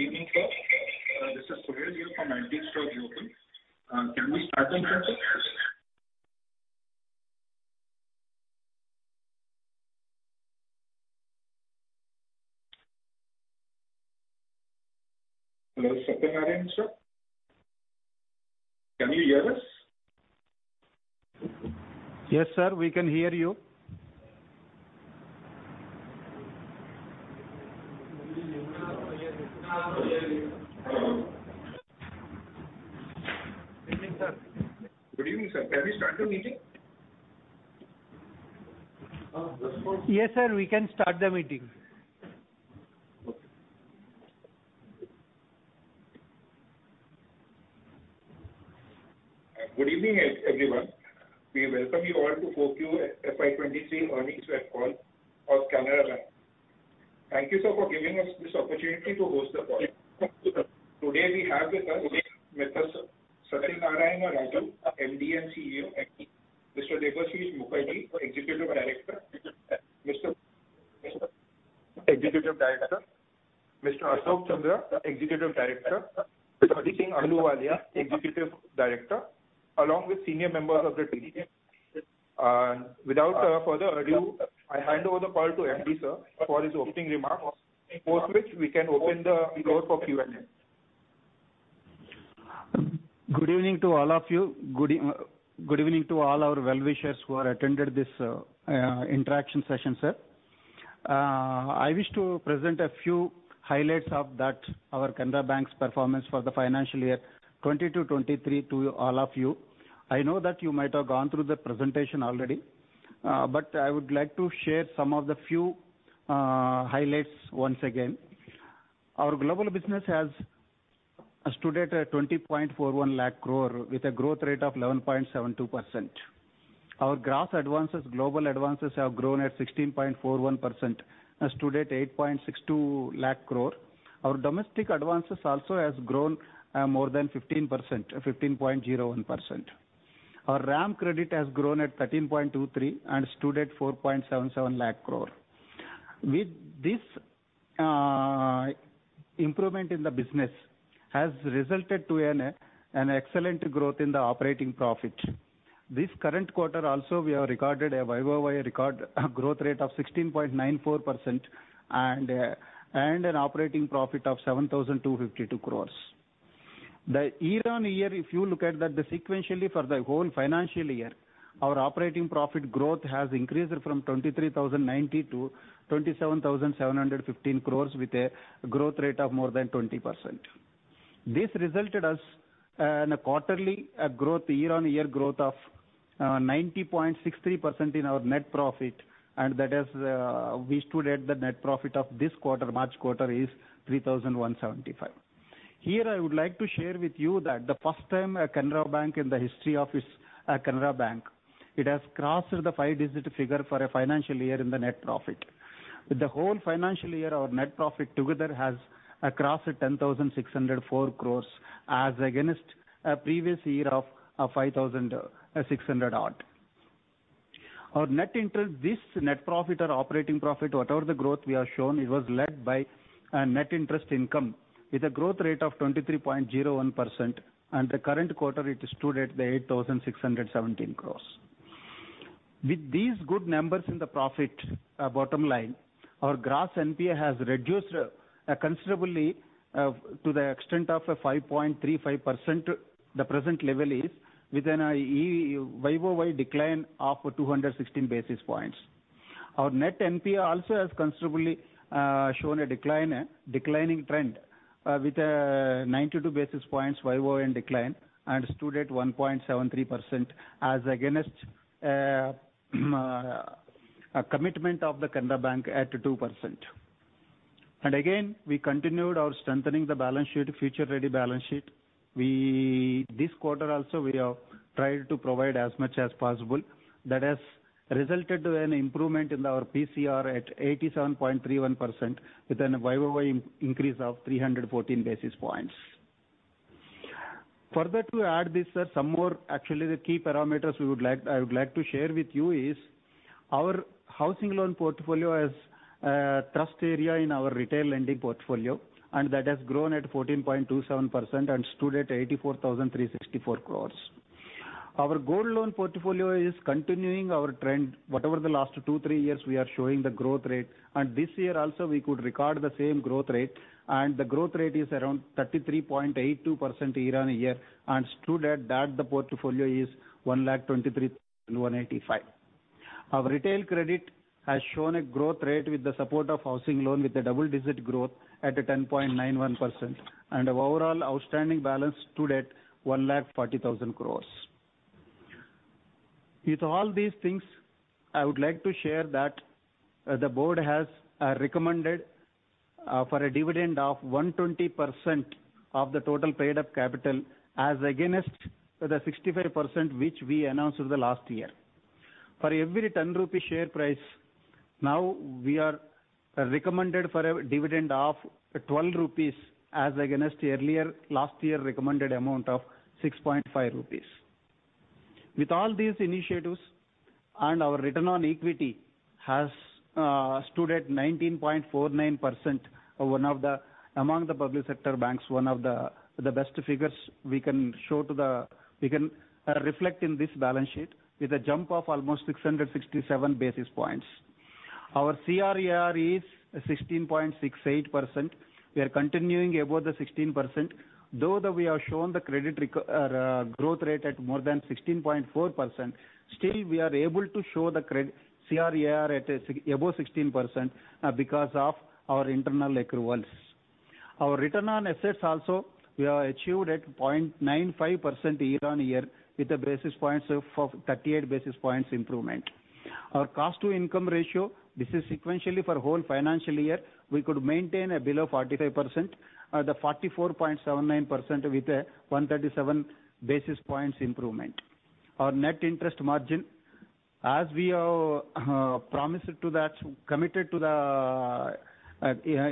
Hello. Good evening, sir. This is Sohail here from Antique Stock Broking. Can we start the meeting? Hello, Satyanarayana, Sir. Can you hear us? Yes, sir. We can hear you. Good evening, sir. Can we start the meeting? Yes, sir. We can start the meeting. Okay. Good evening, everyone. We welcome you all to Q4 FY 2023 earnings web call of Canara Bank. Thank you, sir, for giving us this opportunity to host the call. Today we have with us Satyanarayana Raju, our MD and CEO, Mr. Debashish Mukherjee, Executive Director, Mr. Ashok Chandra, Executive Director, Mr. Hardeep Singh Ahluwalia, Executive Director, along with senior members of the team. Without further ado, I hand over the call to MD, sir, for his opening remarks, post which we can open the floor for Q&A. Good evening to all of you. Good evening to all our well-wishers who are attended this interaction session, sir. I wish to present a few highlights of that, our Canara Bank's performance for the financial year 2022, and 2023 to all of you. I know that you might have gone through the presentation already, I would like to share some of the few highlights once again. Our global business has stood at 20.41 lakh crore with a growth rate of 11.72%. Our gross advances, global advances, have grown at 16.41% and stood at 8.62 lakh crore. Our domestic advances also has grown more than 15%, 15.01%. Our RAM credit has grown at 13.23 and stands at 4.77 lakh crore. With this, improvement in the business has resulted to an excellent growth in the operating profit. This current quarter also, we have recorded a YoY record growth rate of 16.94% and an operating profit of 7,252 crore. Year-on-year, if you look at that, sequentially for the whole financial year, our operating profit growth has increased from 23,090 to 27,715 crore with a growth rate of more than 20%. This resulted in a quarterly growth, year-on-year growth of 90.60% in our net profit, and that is, we stood at the net profit of this quarter, the March quarter is 3,175. Here, I would like to share with you that the first time a Canara Bank in the history of this Canara Bank, it has crossed the five-digit figure for a financial year in the net profit. The whole financial year, our net profit together has crossed 10,604 crores as against a previous year of 5,600 odd. Our net interest, this net profit or operating profit, whatever the growth we have shown, it was led by a net interest income with a growth rate of 23.01%, and the current quarter it stood at 8,617 crores. With these good numbers in the profit, bottom line, our gross NPA has reduced considerably to the extent of 5.35%, the present level is, within a YoY decline of 216 basis points. Our net NPA also has considerably shown a decline, declining trend, with 92 basis points YoY decline and stood at 1.73% as against a commitment of the Canara Bank at 2%. Again, we continued our strengthening the balance sheet, future-ready balance sheet. This quarter also we have tried to provide as much as possible. That has resulted to an improvement in our PCR at 87.31% with an YoY increase of 314 basis points. Further to add this, sir, some more actually the key parameters we would like, I would like to share with you is our housing loan portfolio has thrust area in our retail lending portfolio, that has grown at 14.27% and stood at 84,364 crores. Our gold loan portfolio is continuing our trend. Whatever the last two, three years we are showing the growth rate, this year also we could record the same growth rate, the growth rate is around 33.82% year-over-year and stood at that the portfolio is 1,23,185. Our retail credit has shown a growth rate with the support of housing loan with a double digit growth at a 10.91%, our overall outstanding balance stood at 1,40,000 crores. With all these things, I would like to share that the board has recommended for a dividend of 120% of the total paid up capital as against the 65% which we announced last year. For every 10 rupee share price, now we are recommended for a dividend of 12 rupees as against earlier last year recommended amount of 6.5 rupees. With all these initiatives and our return on equity has stood at 19.49%. Among the public sector banks, one of the best figures we can reflect in this balance sheet with a jump of almost 667 basis points. Our CRAR is 16.68%. We are continuing above the 16%. Though that we have shown the credit growth rate at more than 16.4%, still we are able to show the CRAR above 16% because of our internal accruals. Our return on assets also we have achieved at 0.95% year-on-year with the basis points of 38 basis points improvement. Our cost to income ratio, this is sequentially for whole financial year, we could maintain a below 45%, the 44.79% with a 137 basis points improvement. Our net interest margin, as we are promised to that, committed to the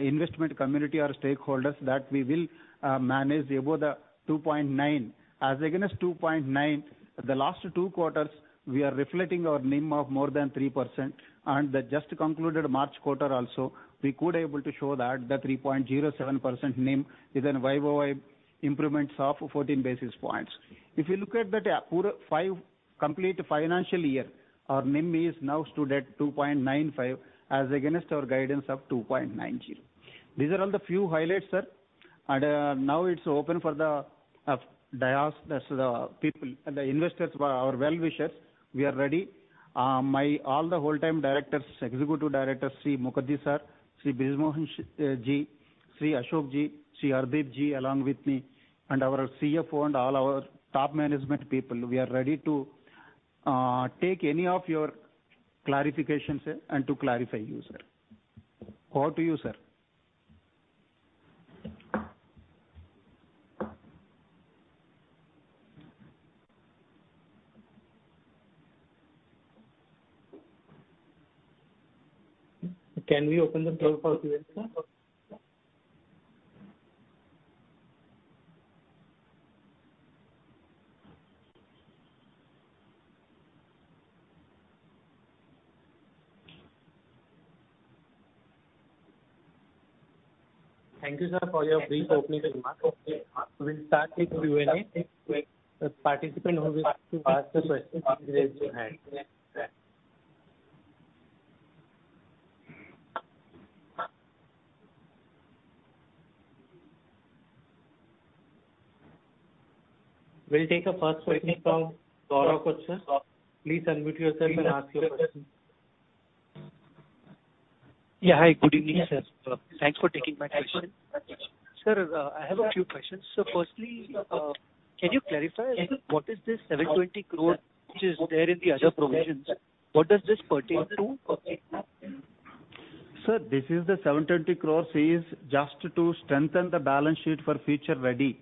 investment community or stakeholders that we will manage above the 2.9%. As against 2.9, the last two quarters we are reflecting our NIM of more than 3% and the just concluded March quarter also, we could able to show that the 3.07% NIM with an YoY improvements of 14 basis points. If you look at the poor five complete financial year, our NIM is now stood at 2.95 as against our guidance of 2.90. These are all the few highlights, sir. Now it's open for the dias, the people, the investors or our well-wishers. We are ready. My all the whole time directors, executive directors, Sri Mukherjee Sir, Sri Brij Mohan ji, Sri Ashok ji, Sri Hardeep ji along with me and our CFO and all our top management people, we are ready to take any of your clarifications and to clarify you, Sir. Over to you, Sir. Can we open the floor for Q&A, Sir? Thank you, sir, for your brief opening remarks. We'll start with Q&A. Participant who wish to ask a question can raise your hand. We'll take the first question from Gaurav Kochar sir. Please unmute yourself and ask your question. Yeah. Hi, good evening, sir. Thanks for taking my question. Sir, I have a few questions. Firstly, can you clarify what is this 720 crore which is there in the other provisions? What does this pertain to? Sir, this is the 720 crores is just to strengthen the balance sheet for future ready.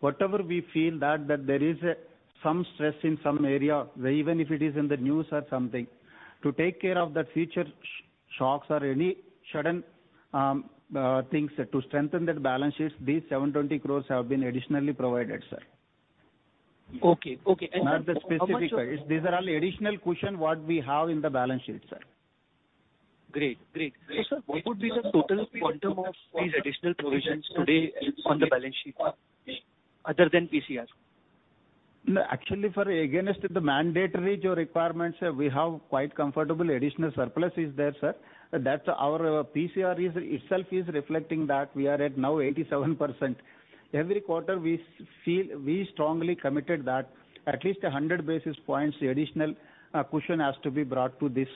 Whatever we feel that there is some stress in some area, where even if it is in the news or something. To take care of that future shocks or any sudden things, to strengthen that balance sheets, these 720 crores have been additionally provided, sir. Okay. Okay. How much of- Not the specific. These are all additional cushion what we have in the balance sheet, sir. Great. Great. Sir, what would be the total quantum of these additional provisions today on the balance sheet other than PCRs? No. Actually, for against the mandatory requirements, we have quite comfortable additional surplus is there, sir. That our PCR is, itself is reflecting that we are at now 87%. Every quarter we strongly committed that at least 100 basis points additional cushion has to be brought to this,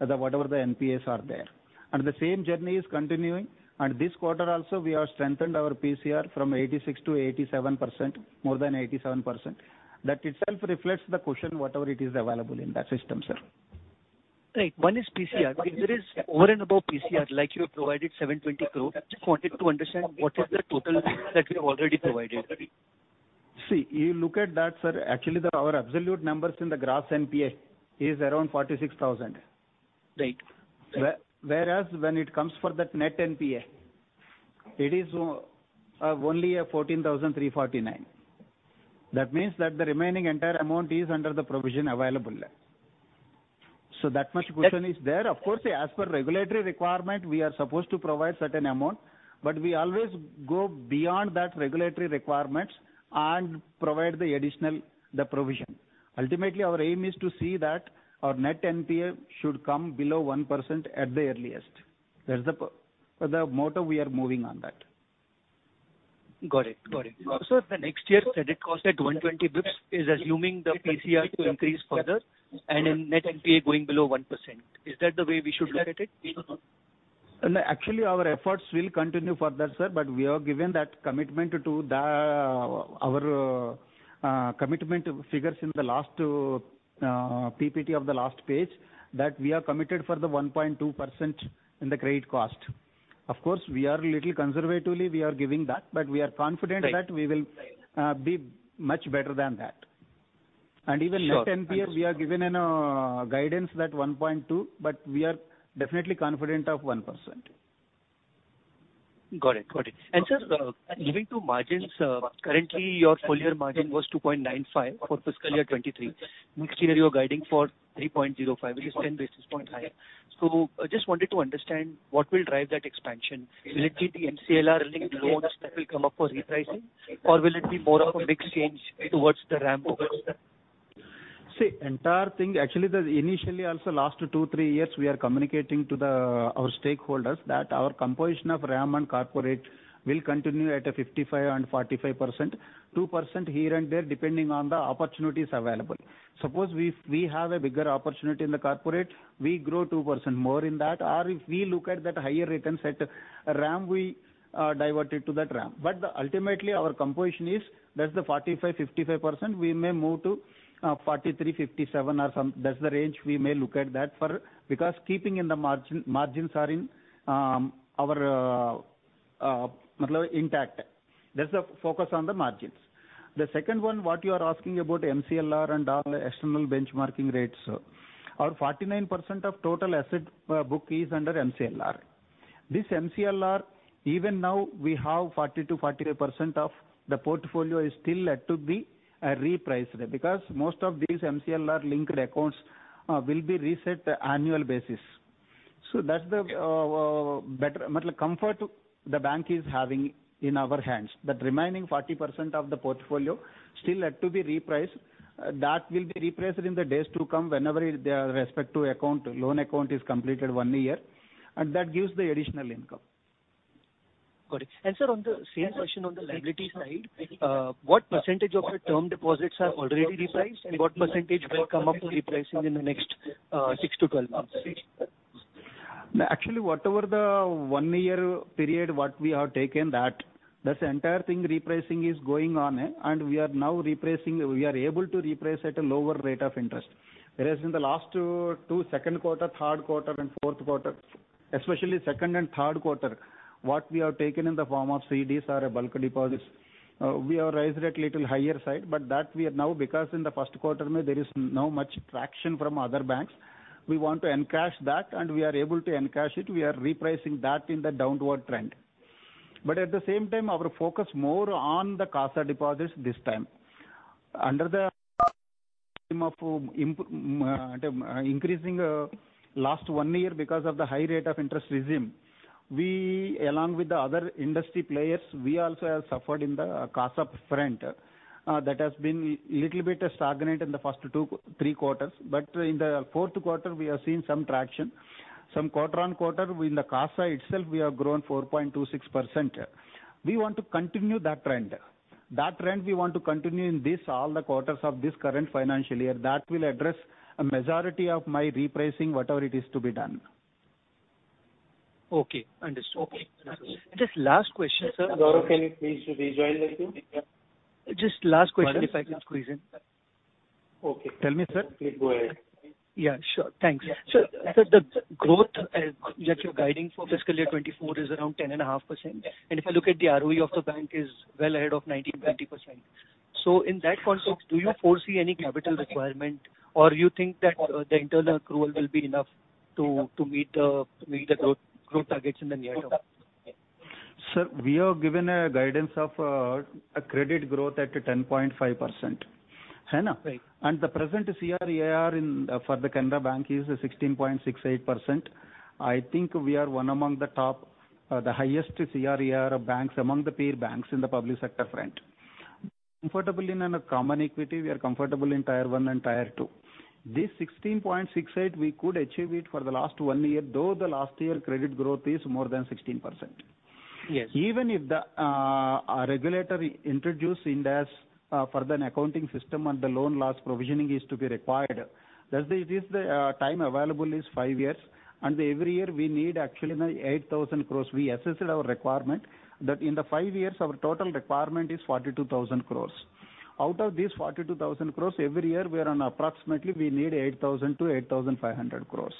the whatever the NPAs are there. The same journey is continuing, and this quarter also we have strengthened our PCR from 86%-87%, more than 87%. That itself reflects the cushion, whatever it is available in that system, sir. Right. One is PCR. If there is over and above PCR, like you have provided 720 crore, just wanted to understand what is the total that you have already provided. See, you look at that, sir. Actually our absolute numbers in the gross NPA is around 46,000. Right. Whereas when it comes for that net NPA, it is only 14,349. That means that the remaining entire amount is under the provision available. That much cushion is there. Of course, as per regulatory requirement, we are supposed to provide certain amount, but we always go beyond that regulatory requirements and provide the additional, the provision. Ultimately, our aim is to see that our net NPA should come below 1% at the earliest. That is the motto we are moving on that. Got it. Got it. The next year credit cost at 120 basis points is assuming the PCR to increase further and in net NPA going below 1%. Is that the way we should look at it or no? Actually, our efforts will continue further, sir, but we have given that commitment to our commitment figures in the last PPT of the last page, that we are committed for the 1.2% in the credit cost. Of course, we are a little conservatively we are giving that, but we are confident that we will be much better than that. Sure. Even net NPA, we have given in guidance that 1.2%, but we are definitely confident of 1%. Got it. Got it. Sir, giving to margins, currently your full year margin was 2.95% for fiscal year 2023. Next year you're guiding for 3.05%, which is 10 basis points higher. I just wanted to understand what will drive that expansion. Will it be the MCLR linked loans that will come up for repricing, or will it be more of a mix change towards the RAM books then? See, entire thing, actually the initially also last two, three years we are communicating to the, our stakeholders that our composition of RAM and corporate will continue at a 55% and 45%. 2% here and there, depending on the opportunities available. Suppose we have a bigger opportunity in the corporate, we grow 2% more in that. If we look at that higher return side RAM, we divert it to that RAM. Ultimately our composition is that's the 45%, 55%, we may move to 43%, 57% or some. That's the range we may look at that for. Keeping in the margins are in our intact. That's the focus on the margins. The second one, what you are asking about MCLR and all external benchmarking rates. Our 49% of total asset book is under MCLR. This MCLR, even now we have 40%-43% of the portfolio is still yet to be repriced. Most of these MCLR linked accounts will be reset annual basis. That's the better comfort the bank is having in our hands. That remaining 40% of the portfolio still yet to be repriced. That will be repriced in the days to come whenever their respective account, loan account is completed one year, and that gives the additional income. Got it. sir, on the same question on the liability side, what percentage of the term deposits are already repriced and what percentage will come up for repricing in the next six-12 months? Actually, whatever the one year period what we have taken that's the entire thing repricing is going on. We are now repricing. We are able to reprice at a lower rate of interest. Whereas in the last two, second quarter, third quarter and fourth quarter, especially second and third quarter, what we have taken in the form of CDs or bulk deposits, we have raised rate little higher side. That we are now because in the first quarter there is no much traction from other banks, we want to encash that and we are able to encash it. We are repricing that in the downward trend. At the same time our focus more on the CASA deposits this time. Under the increasing last one year because of the high rate of interest regime, we along with the other industry players, we also have suffered in the CASA front. That has been little bit stagnant in the first two, three quarters. In the fourth quarter, we have seen some traction. Some quarter-on-quarter in the CASA itself, we have grown 4.26%. We want to continue that trend. That trend we want to continue in this, all the quarters of this current financial year. That will address a majority of my repricing, whatever it is to be done. Okay, understood. Okay. Just last question, sir. Gaurav, can you please rejoin the queue? Just last question, if I could squeeze in. Okay. Tell me, sir. Please go ahead. Yeah, sure. Thanks. Sir, the growth that you're guiding for fiscal year 2024 is around 10.5%. If you look at the ROE of the bank is well ahead of 19%-20%. In that context, do you foresee any capital requirement or you think that the internal accrual will be enough to meet the growth targets in the near term? Sir, we have given a guidance of a credit growth at 10.5%. Right? Right. The present CRAR in for the Canara Bank is 16.68%. I think we are one among the top, the highest CRAR banks among the peer banks in the public sector front. Comfortably in a common equity, we are comfortable in tier one and Tier 2. This 16.68 we could achieve it for the last one year, though the last year credit growth is more than 16%. Yes. Even if the regulator introduce Ind AS for an accounting system and the loan loss provisioning is to be required, that this time available is five years, and every year we need actually 8,000 crore. We assessed our requirement that in the five years our total requirement is 42,000 crore. Out of these 42,000 crore, every year approximately we need 8,000-8,500 crore.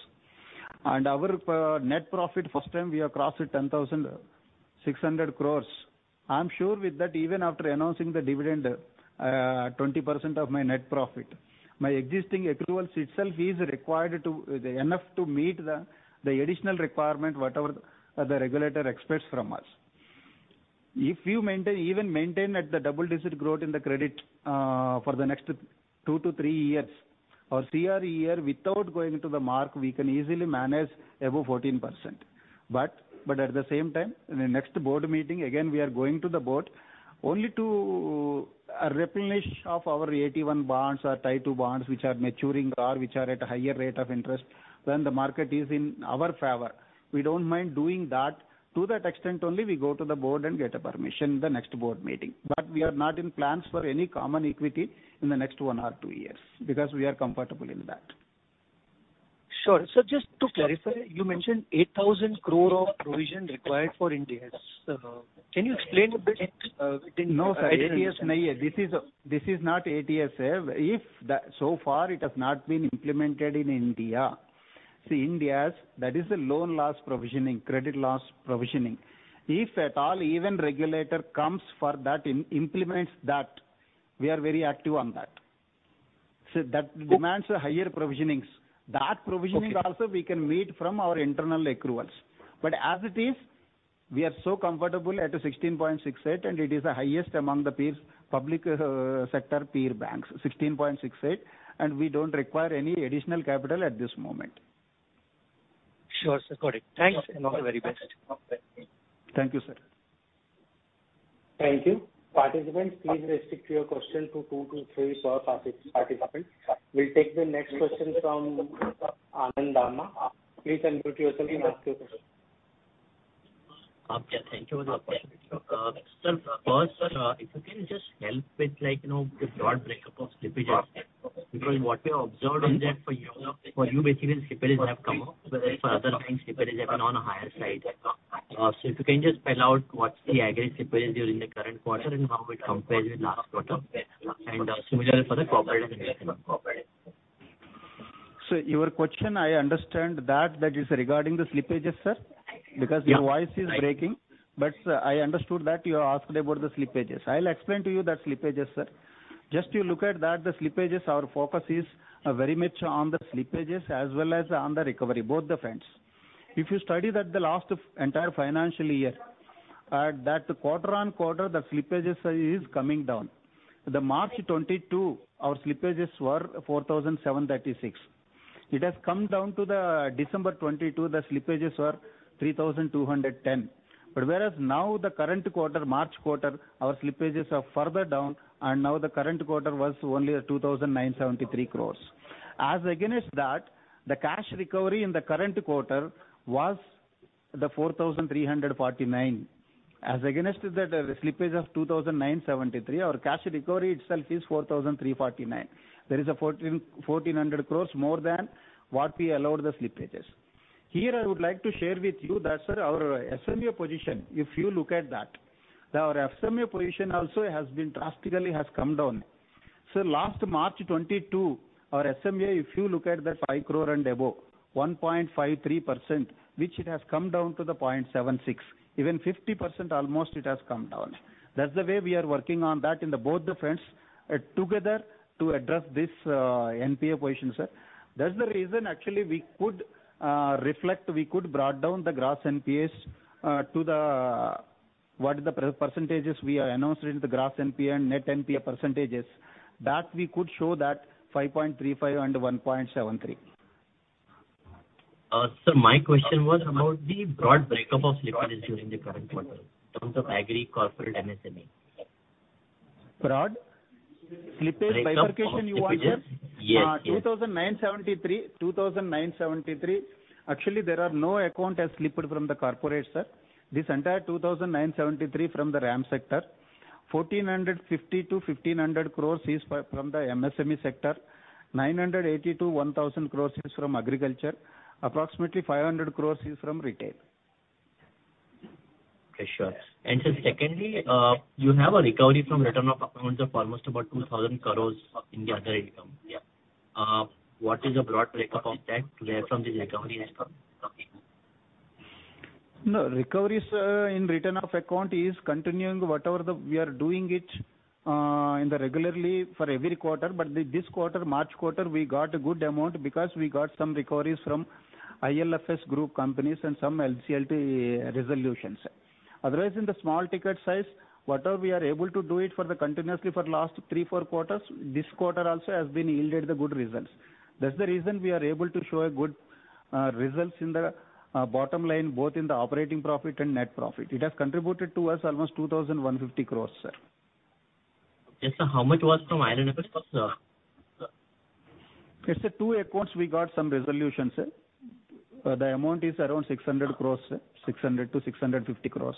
Our net profit first time we have crossed 10,600 crore. I am sure with that even after announcing the dividend, 20% of my net profit, my existing accruals itself is enough to meet the additional requirement, whatever the regulator expects from us. If you maintain, even maintain at the double-digit growth in the credit, for the next two to three years, our CRAR without going to the mark we can easily manage above 14%. At the same time, in the next board meeting again we are going to the board only to replenish of our AT1 bonds or Tier 2 bonds which are maturing or which are at a higher rate of interest when the market is in our favor. We don't mind doing that. To that extent only we go to the board and get a permission in the next board meeting. We are not in plans for any common equity in the next one or two years because we are comfortable in that. Sure. Sir, just to clarify, you mentioned 8,000 crore of provision required for Ind AS. Can you explain a bit? No, sorry. Ind AS not here. This is not Ind AS. Far it has not been implemented in India. See Ind AS, that is a loan loss provisioning, credit loss provisioning. If at all even regulator comes for that, implements that, we are very active on that. That demands a higher provisionings. Okay. Also we can meet from our internal accruals. As it is, we are so comfortable at 16.68%. It is the highest among the peers, public sector peer banks, 16.68%. We don't require any additional capital at this moment. Sure, sir. Got it. Thanks. All the very best. Thank you, sir. Thank you. Participants, please restrict your question to two to three short questions. We'll take the next question from Anand Dama. Please unmute yourself and ask your question. Okay. Thank you for the opportunity, sir. Sir, first, if you can just help with, like you know, the broad breakup of slippages. What we observed is that for you basically the slippages have come up, but for other banks slippage have been on a higher side. If you can just spell out what's the aggregate slippage during the current quarter and how it compares with last quarter, and similar for the corporate and MSME. Your question, I understand that is regarding the slippages, sir. Yeah. Your voice is breaking. I understood that you are asking about the slippages. I'll explain to you that slippages, sir. Just you look at that, the slippages, our focus is very much on the slippages as well as on the recovery, both the fronts. If you study that the last entire financial year, that quarter-on-quarter, the slippages is coming down. The March 2022, our slippages were 4,736 crores. It has come down to the December 2022, the slippages were 3,210 crores. Whereas now the current quarter, March quarter, our slippages are further down, and now the current quarter was only 2,973 crores. As against that, the cash recovery in the current quarter was 4,349 crores. As against that slippage of 2,973, our cash recovery itself is 4,349. There is 1,400 crores more than what we allowed the slippages. Here, I would like to share with you that, sir, our SMA position, if you look at that, our SMA position also has drastically come down. Last March 2022, our SMA, if you look at that 5 crore and above, 1.53%, which it has come down to 0.76%. Even 50% almost it has come down. That's the way we are working on that in the both the fronts, together to address this NPA position, sir. That's the actually we could reflect, we could brought down the gross NPAs to the, what the % we are announcing the gross NPA and net NPA %, that we could show that 5.35 and 1.73. Sir, my question was about the broad breakup of slippages during the current quarter in terms of Agri, Corporate, MSME. Broad? Slippage bifurcation you want, sir? Breakup of slippages. Yes. 2,973. 2,973. Actually, there are no account has slipped from the corporate, sir. This entire 2,973 from the RAM sector. 1,450-1,500 crores is from the MSME sector. 980-1,000 crores is from agriculture. Approximately 500 crores is from retail. Okay, sure. Sir, secondly, you have a recovery from return of accounts of almost about 2,000 crores in the other income. What is the broad breakup of that, where from this recovery has come from? No, recoveries in return of account is continuing whatever the... We are doing it regularly for every quarter. This quarter, March quarter, we got a good amount because we got some recoveries from IL&FS Group companies and some NCLT resolutions. Otherwise, in the small ticket size, whatever we are able to do it for the continuously for last three, four quarters, this quarter also has been yielded the good results. That's the reason we are able to show good results in the bottom line, both in the operating profit and net profit. It has contributed to us almost 2,150 crores, sir. sir, how much was from IL&FS, sir? It's two accounts we got some resolutions, sir. The amount is around 600 crores, sir. 600-650 crores.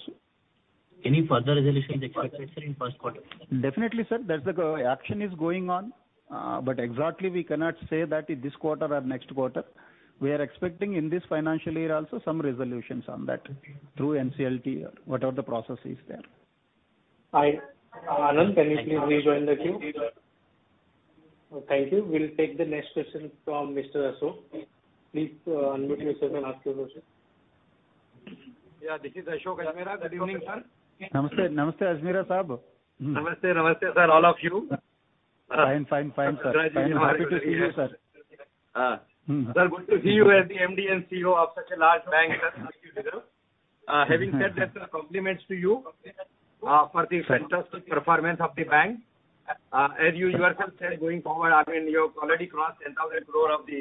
Any further resolution expected, sir, in first quarter? Definitely, sir. That's the Action is going on. exactly we cannot say that in this quarter or next quarter. We are expecting in this financial year also some resolutions on that through NCLT, whatever the process is there. Anand, can you please rejoin the queue? Thank you. We'll take the next question from Mr. Ashok. Please unmute yourself and ask your question. Yeah, this is Ashok Ajmera. Good evening, sir. Namaste Ajmera Saab. Namaste, sir, all of you. Fine, fine, sir. Fine. Happy to see you, sir. Sir, good to see you as the MD and CEO of such a large bank as Canara Bank, sir. Having said that, sir, compliments to you. Thanks. -for the fantastic performance of the bank. As you yourself said, I mean, you have already crossed 10,000 crore of the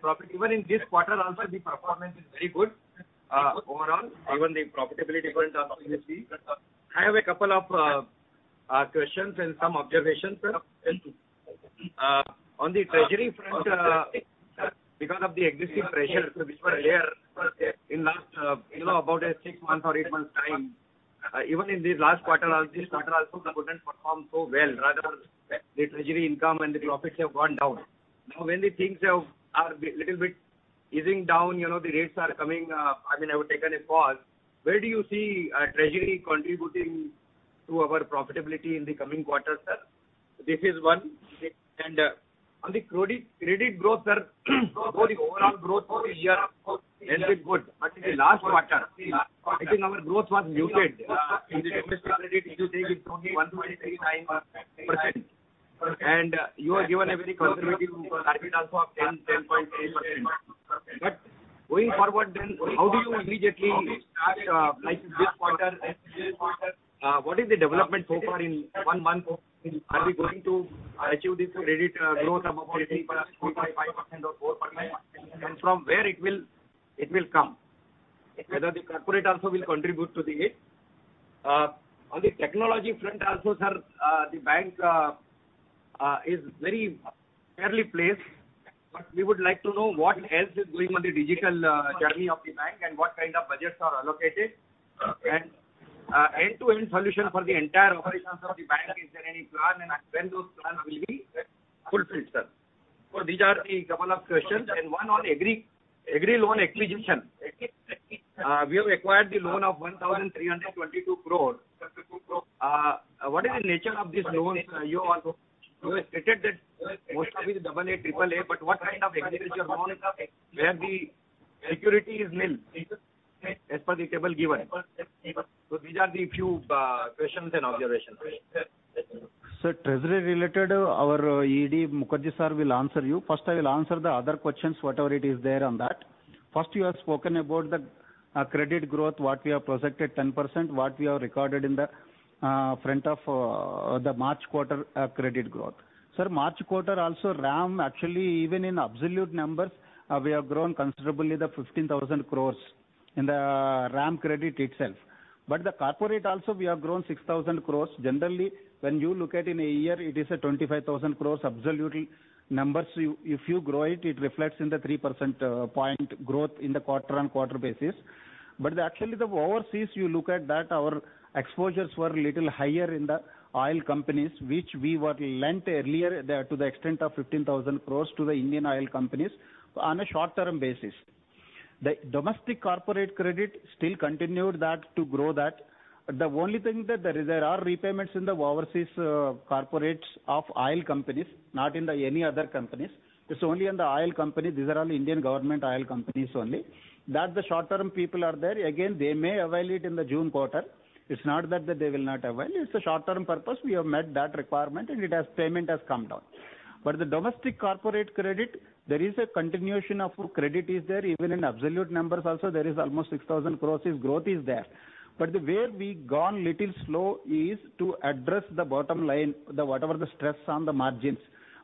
profit. Even in this quarter also, the performance is very good overall, even the profitability point of view, we see. I have a couple of questions and some observations, sir. On the treasury front, sir, because of the existing pressures which were there in last, you know, about 6 months or 8 months time, even in the last quarter, this quarter also couldn't perform so well. Rather, the treasury income and the profits have gone down. Now, when the things have little bit easing down, you know, the rates are coming, I mean, have taken a pause. Where do you see treasury contributing to our profitability in the coming quarters, sir? This is one. On the credit growth, sir, though the overall growth this year has been good, but in the last quarter, I think our growth was muted. In the domestic credit, if you take it's only 1.39%. You have given a very conservative target also of 10.3%. Going forward, how do you immediately start, like this quarter, what is the development so far in 1 month? Are we going to achieve this credit growth above 4.5% or 4% and from where it will come? Whether the corporate also will contribute to the it. On the technology front also, sir, the bank is very fairly placed, but we would like to know what else is going on the digital journey of the bank and what kind of budgets are allocated. End-to-end solution for the entire operations of the bank, is there any plan and when those plans will be fulfilled, sir? These are the couple of questions. One on Agri loan acquisition. We have acquired the loan of 1,322 crore. What is the nature of this loan? You have stated that most of it is double A, triple A, but what kind of agriculture loan is that where the security is nil as per the table given. These are the few questions and observations. Sir, treasury related, our ED Mukherjee Sir will answer you. First, I will answer the other questions, whatever it is there on that. First, you have spoken about the credit growth, what we have projected 10%, what we have recorded in the front of the March quarter credit growth. Sir, March quarter also RAM actually even in absolute numbers, we have grown considerably the 15,000 crores in the RAM credit itself. The corporate also we have grown 6,000 crores. Generally, when you look at in a year, it is a 25,000 crores absolutely numbers. If you grow it reflects in the 3% point growth in the quarter-on-quarter basis. Actually the overseas you look at that our exposures were little higher in the oil companies, which we were lent earlier there to the extent of 15,000 crore to the Indian oil companies on a short term basis. The domestic corporate credit still continued that to grow that. The only thing that there is, there are repayments in the overseas corporates of oil companies, not in the any other companies. It's only in the oil company. These are all Indian government oil companies only. That the short term people are there. Again, they may avail it in the June quarter. It's not that they will not avail. It's a short term purpose. We have met that requirement and it has, payment has come down. The domestic corporate credit, there is a continuation of credit is there even in absolute numbers also there is almost 6,000 crores growth there. The way we gone little slow is to address the bottom line, the whatever the stress on the margins.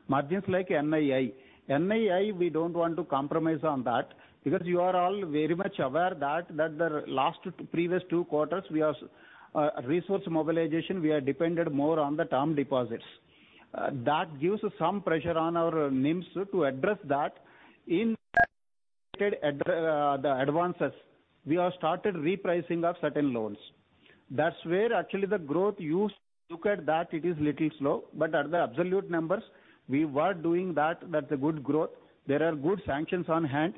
Margins like NII. NII, we don't want to compromise on that because you are all very much aware that the last previous two quarters we are resource mobilization, we are depended more on the term deposits. That gives some pressure on our NIMs to address that. In the advances, we have started repricing of certain loans. That's where actually the growth you look at that it is little slow, but at the absolute numbers we were doing that the good growth. There are good sanctions on hand.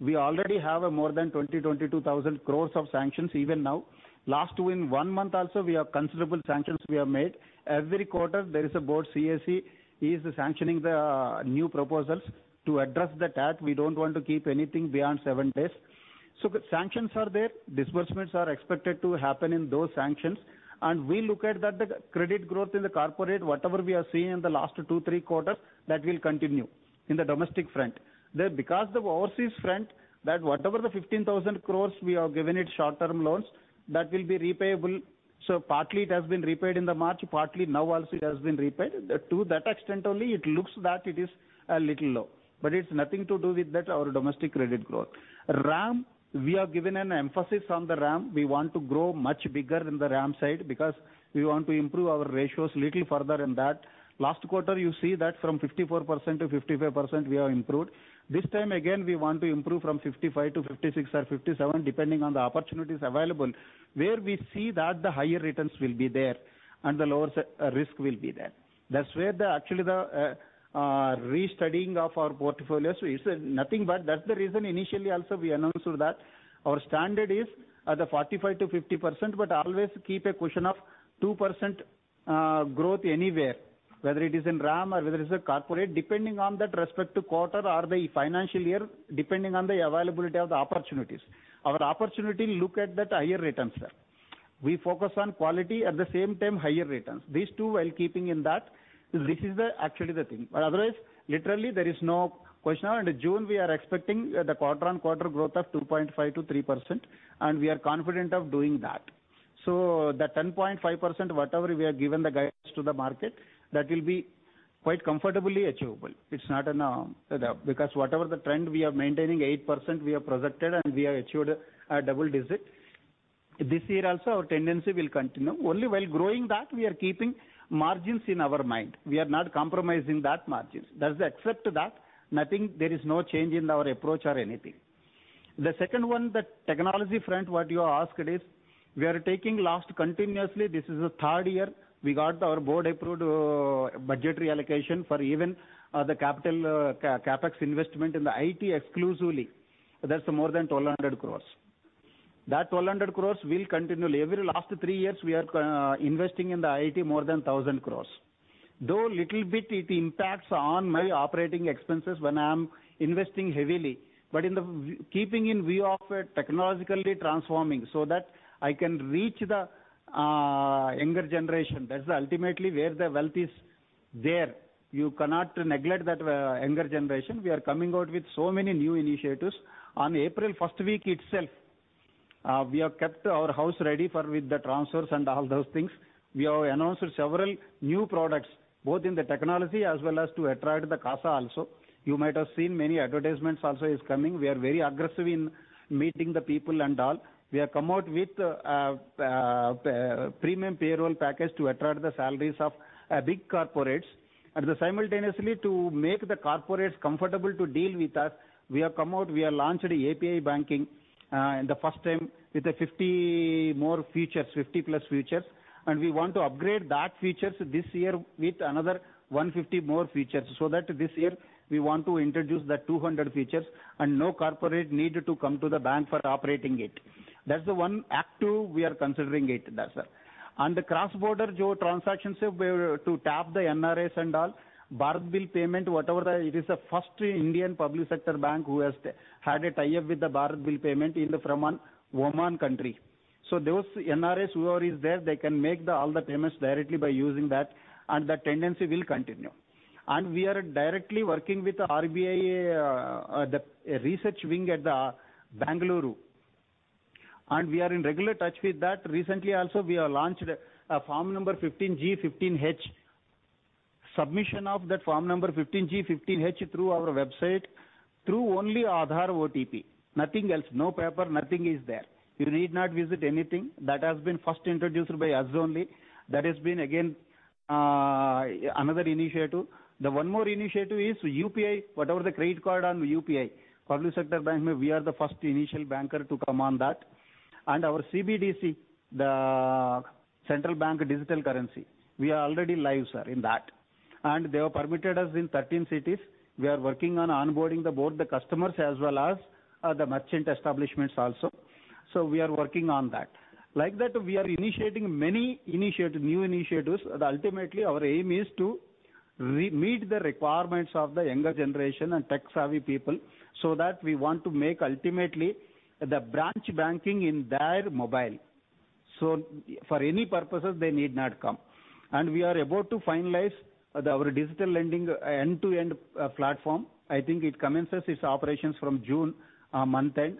We already have more than 22,000 crore of sanctions even now. Last in 1 month also we have considerable sanctions we have made. Every quarter there is a board CAC is sanctioning the new proposals to address that we don't want to keep anything beyond seven days. The sanctions are there. Disbursement are expected to happen in those sanctions. We look at that the credit growth in the corporate, whatever we have seen in the last two to three quarters, that will continue in the domestic front. The, because the overseas front, that whatever the 15,000 crore we have given it short term loans, that will be repayable. Partly it has been repaid in the March, partly now also it has been repaid. The, to that extent only it looks that it is a little low, but it's nothing to do with that our domestic credit growth. RAM, we have given an emphasis on the RAM. We want to grow much bigger in the RAM side because we want to improve our ratios little further in that. Last quarter you see that from 54% to 55% we have improved. This time again, we want to improve from 55% to 56% or 57%, depending on the opportunities available, where we see that the higher returns will be there and the lower risk will be there. That's where the actually the restudying of our portfolio. It's nothing but that's the reason initially also we announced that our standard is the 45%-50%, but always keep a cushion of 2% growth anywhere, whether it is in RAM or whether it's a corporate, depending on that respective quarter or the financial year, depending on the availability of the opportunities. Our opportunity look at that higher returns, sir. We focus on quality at the same time higher returns. These two while keeping in that, this is the actually the thing. Otherwise, literally there is no question. June we are expecting the quarter-on-quarter growth of 2.5%-3%, and we are confident of doing that. The 10.5%, whatever we have given the guidance to the market, that will be quite comfortably achievable. It's not an. Whatever the trend we are maintaining 8% we have projected and we have achieved a double digit. This year also our tendency will continue. Only while growing that we are keeping margins in our mind. We are not compromising that margins. That's except that nothing, there is no change in our approach or anything. The second one, the technology front, what you asked is, we are taking last continuously. This is the third year we got our board approved budgetary allocation for even the capital CapEx investment in the IT exclusively. That's more than 1,200 crores. That 1,200 crores will continue. Every last 3 years we are investing in the IT more than 1,000 crores. Though little bit it impacts on my operating expenses when I'm investing heavily, in the keeping in view of technologically transforming so that I can reach the younger generation. That's ultimately where the wealth is. There you cannot neglect that younger generation. We are coming out with so many new initiatives. On April first week itself, we have kept our house ready for with the transfers and all those things. We have announced several new products, both in the technology as well as to attract the CASA also. You might have seen many advertisements also is coming. We are very aggressive in meeting the people and all. We have come out with premium payroll package to attract the salaries of big corporates. Simultaneously to make the corporates comfortable to deal with us, we have come out, we have launched API Banking in the first time with the 50 more features, 50-plus features. We want to upgrade that features this year with another 150 more features, so that this year we want to introduce the 200 features and no corporate need to come to the bank for operating it. That's the one act two we are considering it that, sir. The cross-border transactions where to tap the NRIs and all, Bharat Bill Payment, whatever, it is the first Indian public sector bank who had a tie-up with the Bharat Bill Payment from Oman country. Those NRIs whoever is there, they can make the all the payments directly by using that, and that tendency will continue. We are directly working with the RBI, the research wing at the Bengaluru, and we are in regular touch with that. Recently also, we have launched a form number 15 G, 15 H. Submission of that form number 15 G, 15 H through our website, through only Aadhaar OTP. Nothing else, no paper, nothing is there. You need not visit anything. That has been first introduced by us only. That has been again, another initiative. The one more initiative is UPI, whatever the credit card on UPI, public sector bank, we are the first initial banker to come on that. Our CBDC, the Central Bank Digital Currency, we are already live, sir, in that. They have permitted us in 13 cities. We are working on onboarding the board, the customers as well as, the merchant establishments also. We are working on that. Like that, we are initiating many initiative, new initiatives, ultimately our aim is to re-meet the requirements of the younger generation and tech-savvy people, that we want to make ultimately the branch banking in their mobile. For any purposes, they need not come. We are about to finalize our digital lending end-to-end platform. I think it commences its operations from June month-end.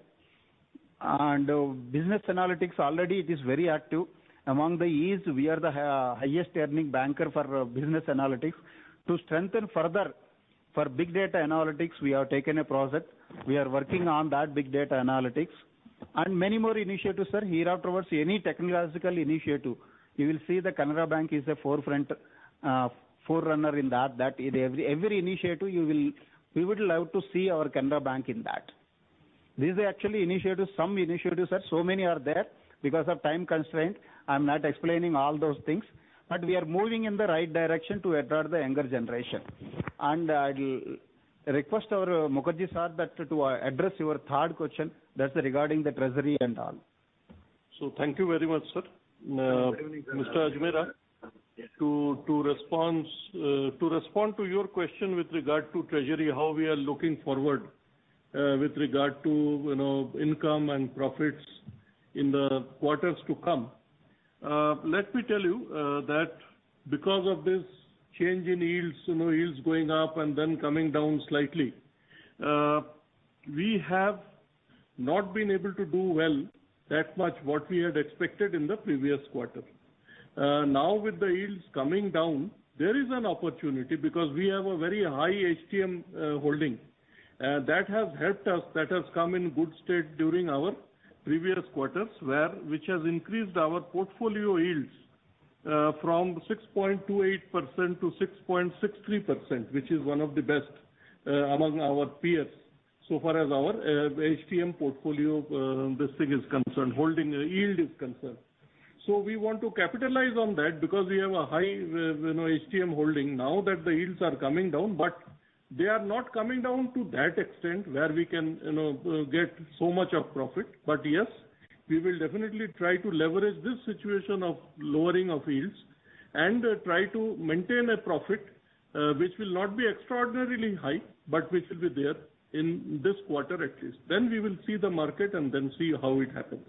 Business analytics already it is very active. Among the EASE, we are the highest earning banker for Business Analytics. To strengthen further for big data analytics, we have taken a project. We are working on that big data analytics many more initiatives, sir. Here afterwards, any technological initiative, you will see the Canara Bank is the forefront forerunner in that every initiative you will, we would love to see our Canara Bank in that. These are actually initiatives, some initiatives, sir, so many are there. Because of time constraint, I'm not explaining all those things, but we are moving in the right direction to attract the younger generation. I'll request our Mukherjee sir that to address your third question, that's regarding the treasury and all. Thank you very much, sir. Mr. Ajmera, to respond to your question with regard to treasury, how we are looking forward, with regard to, you know, income and profits in the quarters to come. Let me tell you, that because of this change in yields, you know, yields going up and then coming down slightly, we have not been able to do well that much what we had expected in the previous quarter. Now with the yields coming down, there is an opportunity because we have a very high HTM holding that has helped us, that has come in good state during our previous quarters, where which has increased our portfolio yields from 6.28% to 6.63%, which is one of the best among our peers so far as our HTM portfolio, this thing is concerned, holding yield is concerned. We want to capitalize on that because we have a high, you know, HTM holding now that the yields are coming down, but they are not coming down to that extent where we can, you know, get so much of profit. Yes, we will definitely try to leverage this situation of lowering of yields and try to maintain a profit, which will not be extraordinarily high, but which will be there in this quarter at least. We will see the market and then see how it happens.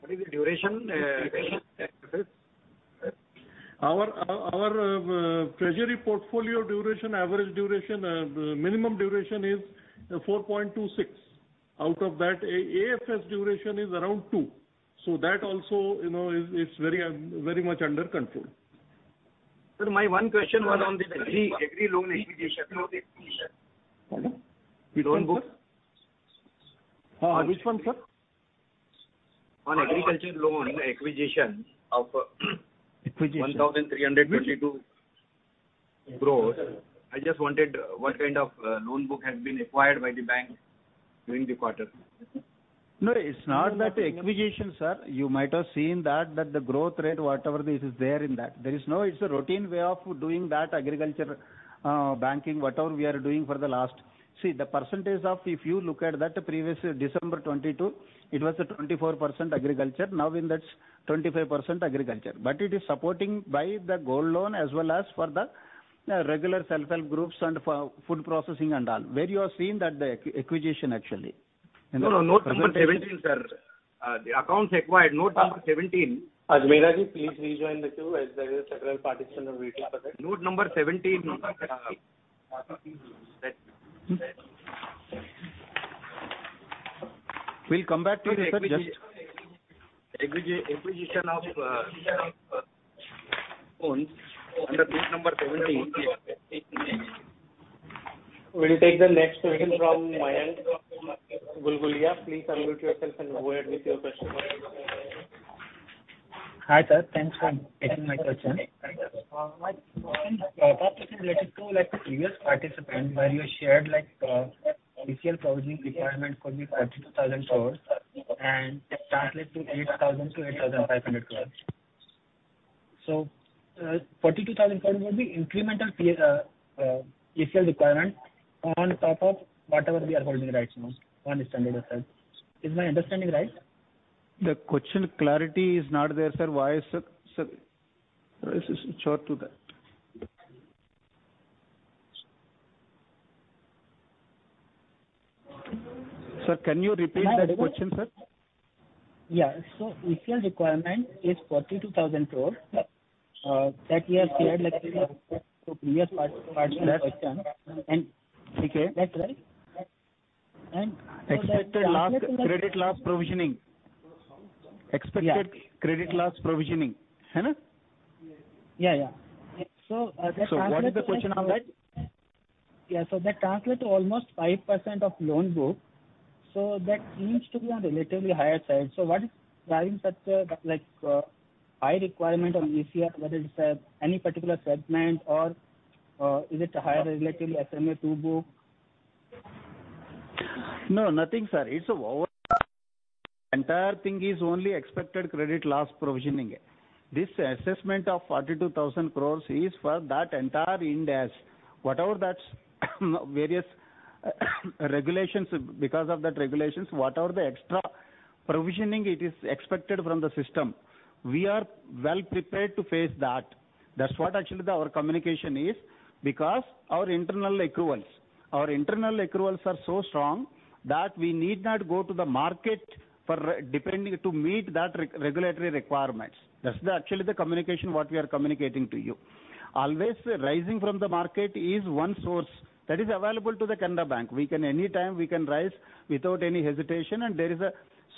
What is the duration? Our treasury portfolio duration, average duration, and minimum duration is 4.26. Out of that AFS duration is around two. That also, you know, is very much under control. Sir, my one question was on the Agri loan acquisition. Pardon. Which one, sir? Loan book. Which one, sir? On Agriculture loan acquisition Acquisition. 1,322 gross. I just wanted what kind of loan book has been acquired by the bank during the quarter. No, it's not that acquisition, sir. You might have seen that the growth rate, whatever this is there in that. There is no, it's a routine way of doing that agriculture banking, whatever we are doing for the last. See, the percentage of, if you look at that previous December 22, it was a 24% agriculture. Now in that 25% agriculture. It is supporting by the gold loan as well as for the regular self-help groups and for food processing and all. Where you have seen that the acquisition actually No, note number 17, sir. The accounts acquired note number 17. Ajmera ji, please rejoin the queue as there is several participants are waiting for that. Note number 17. We'll come back to you, sir. Acquisition of under note number 17. We'll take the next question from Mayank Gulgulia. Please unmute yourself and go ahead with your question. Hi, sir. Thanks for taking my question. My question, topic is related to like the previous participant where you shared, like, ACL provisioning requirement could be 42,000 crore and translate to 8,000 crore-8,500 crore. INR 42,000 crore will be incremental ACL requirement on top of whatever we are holding right now. Am I understanding that right? Is my understanding right? The question clarity is not there, sir. Why, sir. Sure to that. Sir, can you repeat that question, sir? Yeah. ACL requirement is 42,000 crores. That we have shared like to previous participant question. That. And- Okay. That's right. That translate to like... Expected loss, credit loss provisioning. Yeah. -credit loss provisioning, isn't it? Yeah, yeah. that translate to. What is the question on that? Yeah. That translate to almost 5% of loan book. That seems to be on relatively higher side. What is driving such a, like, high requirement on ACL, whether it's any particular segment or is it higher relatively SMA-2 book? No, nothing, sir. It's a overall. Entire thing is only expected credit loss provisioning. This assessment of 42,000 crore is for that entire Ind AS. Whatever that various regulations, because of that regulations, whatever the extra provisioning it is expected from the system, we are well prepared to face that. That's what actually the our communication is because our internal accruals are so strong that we need not go to the market for depending to meet that re-regulatory requirements. That's the actually the communication, what we are communicating to you. Always rising from the market is one source that is available to the Canara Bank. We can anytime, we can rise without any hesitation, there is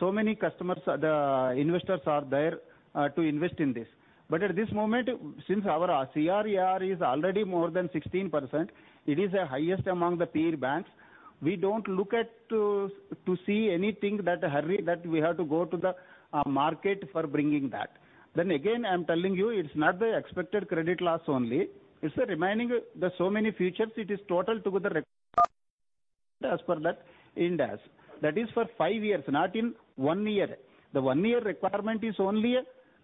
so many customers, the investors are there to invest in this. At this moment, since our CRAR is already more than 16%, it is the highest among the peer banks. We don't look at, to see anything that hurry that we have to go to the market for bringing that. Again, I am telling you, it's not the expected credit loss only. It's the remaining, the so many features, it is total together as per that Ind AS. That is for five years, not in one year. The one-year requirement is only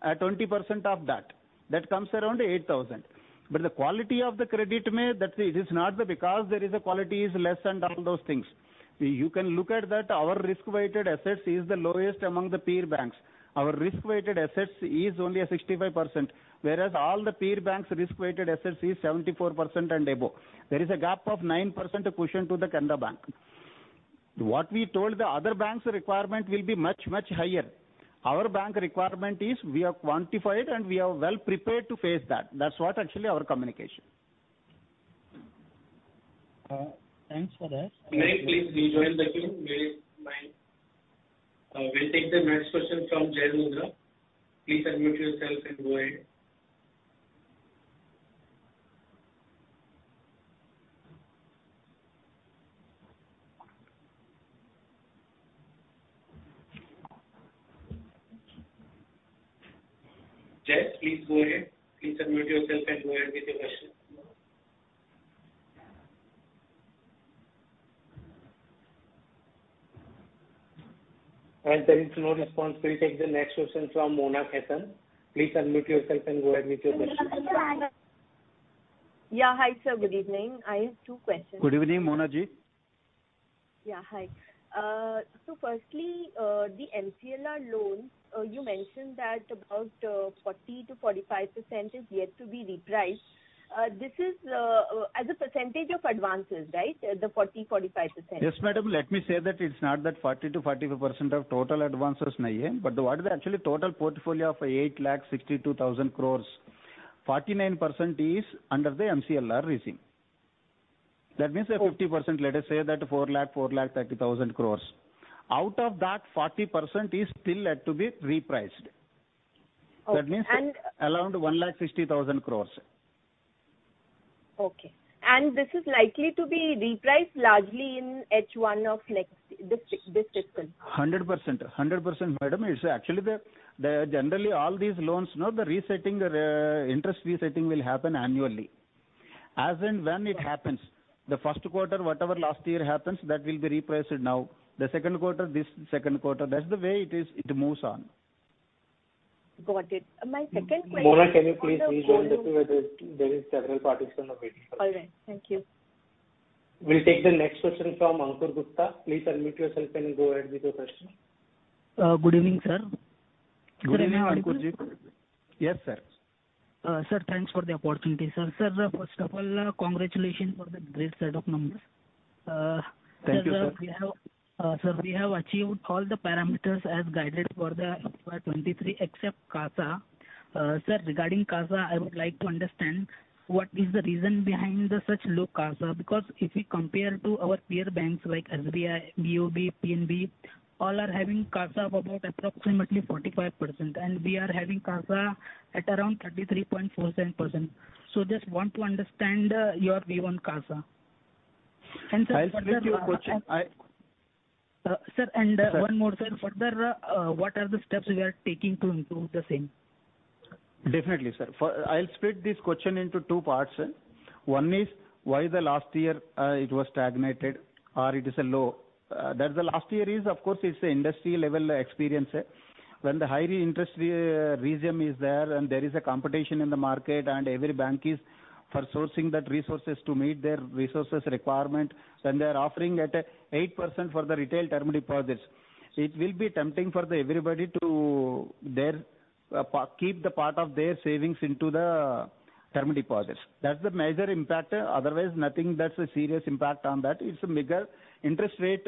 20% of that. That comes around 8,000. The quality of the credit, ma'am, that it is not because there is a quality is less and all those things. You can look at that our risk-weighted assets is the lowest among the peer banks. Our risk-weighted assets is only a 65%, whereas all the peer banks risk-weighted assets is 74% and above. There is a gap of 9% cushion to the Canara Bank. What we told the other banks requirement will be much, much higher. Our bank requirement is we are quantified and we are well prepared to face that. That's what actually our communication. Thanks for that. Mayank, please rejoin the queue. Mayank. We'll take the next question from Jay Mundra. Please unmute yourself and go ahead. Jay, please go ahead. Please unmute yourself and go ahead with your question. As there is no response, we'll take the next question from Mona Khetan. Please unmute yourself and go ahead with your question. Yeah. Hi, sir. Good evening. I have two questions. Good evening, Mona ji. Yeah, hi. Firstly, the MCLR loans, you mentioned that about 40%-45% is yet to be repriced. This is as a percentage of advances, right? The 40%, 45%. Yes, madam. Let me say that it's not that 40%-45% of total advances but what is actually total portfolio of 8,62,000 crores, 49% is under the MCLR regime. That means the 50% let us say that 4,30,000 crores. Out of that 40% is still yet to be repriced. Okay. That means around 160,000 crores. Okay. This is likely to be repriced largely in H1 of next, this fiscal. 100%. 100%, madam. It's actually the generally all these loans know the resetting, interest resetting will happen annually. As in when it happens, the first quarter, whatever last year happens, that will be repriced now. The second quarter, this second quarter, that's the way it is, it moves on. Got it. My second question- Mona, can you please rejoin the queue. There is several participants are waiting for that. All right. Thank you. We'll take the next question from Ankur Gupta. Please unmute yourself and go ahead with your question. Good evening, sir. Good evening, Ankur-ji. Yes, sir. Sir, thanks for the opportunity. Sir, first of all, congratulations for the great set of numbers. Thank you, sir. Sir, we have achieved all the parameters as guided for the FY 2023 except CASA. Sir, regarding CASA, I would like to understand what is the reason behind the such low CASA because if we compare to our peer banks like SBI, BoB, PNB, all are having CASA of about approximately 45%, and we are having CASA at around 33.47%. Just want to understand your view on CASA. Sir, further... I'll split your question. Sir. Sir. One more, sir. Further, what are the steps we are taking to improve the same? Definitely, sir. I'll split this question into two parts. One is why the last year, it was stagnated or it is a low. That the last year is of course is a industry level experience. When the highly interest, regime is there and there is a competition in the market and every bank is for sourcing that resources to meet their resources requirement, when they are offering at 8% for the retail term deposits, it will be tempting for the everybody to their keep the part of their savings into the term deposits. That's the major impact. Otherwise, nothing that's a serious impact on that. It's a bigger interest rate,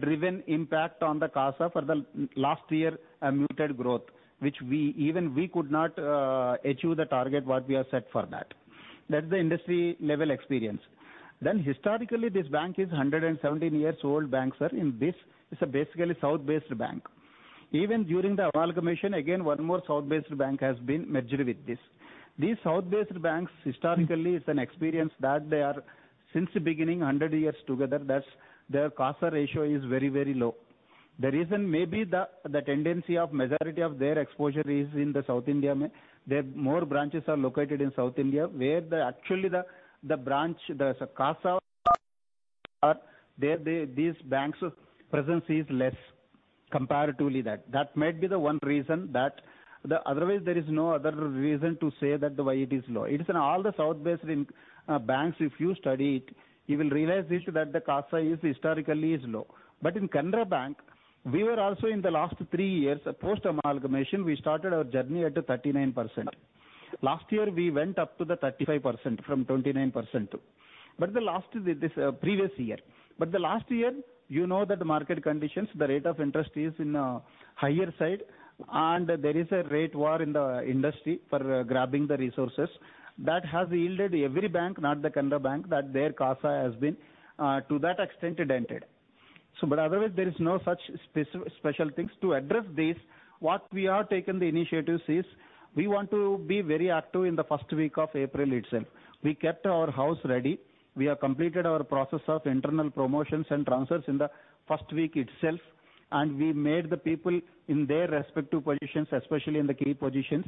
driven impact on the CASA for the last year, muted growth, which we even we could not, achieve the target what we have set for that. That's the industry level experience. Historically, this bank is 117 years old bank, sir. In this is a basically South-based bank. Even during the amalgamation, again, one more South-based bank has been merged with this. These South-based banks historically is an experience that they are since the beginning 100 years together, that's their CASA ratio is very, very low. The reason may be the tendency of majority of their exposure is in the South India. Their more branches are located in South India, where actually the branch, the CASA are there, these banks presence is less comparatively that. That might be the 1 reason that otherwise there is no other reason to say that why it is low. It is in all the South-based in banks if you study it, you will realize this that the CASA is historically is low. In Canara Bank, we were also in the last three years, post-amalgamation, we started our journey at 39%. Last year, we went up to the 35% from 29%. The last year, you know that the market conditions, the rate of interest is in a higher side, and there is a rate war in the industry for grabbing the resources. That has yielded every bank, not the Canara Bank, that their CASA has been to that extent indented. Otherwise there is no such special things. To address this, what we are taking the initiatives is we want to be very active in the first week of April itself. We kept our house ready. We have completed our process of internal promotions and transfers in the first week itself, we made the people in their respective positions, especially in the key positions,